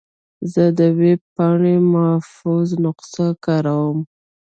زه د ویب پاڼې محفوظ نسخه کاروم.